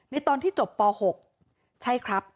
ตอนที่จบป๖ใช่ครับ